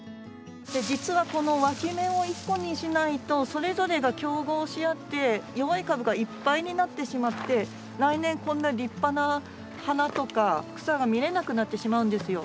実はこのわき芽を１個にしないとそれぞれが競合しあって弱い株がいっぱいになってしまって来年こんな立派な花とか草が見れなくなってしまうんですよ。